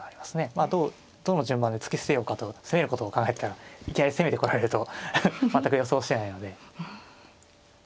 まあどうどの順番で突き捨てようかと攻めることを考えてたらいきなり攻めてこられると全く予想してないので。